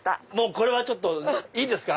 これはちょっといいですか？